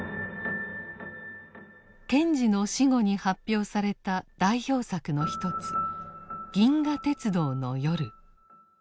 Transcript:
賢治の死後に発表された代表作の一つ「銀河鉄道の夜」。